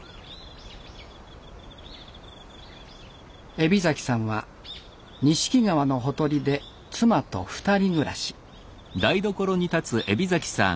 海老さんは錦川のほとりで妻と２人暮らし。